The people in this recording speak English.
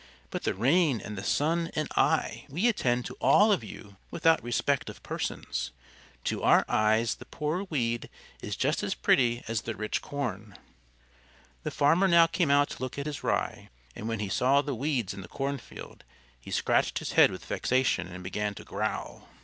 But the rain and the sun and I we attend to all of you without respect of persons. To our eyes the poor weed is just as pretty as the rich corn." The farmer now came out to look at his Rye, and when he saw the weeds in the cornfield he scratched his head with vexation and began to growl.